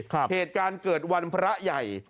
ครับเหตุการณ์เกิดวันพระใหญ่อ๋อ